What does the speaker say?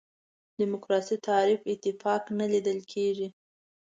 دیموکراسي تعریف اتفاق نه لیدل کېږي.